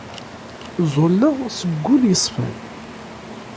Ẓẓulleɣ seg wul yeṣfan!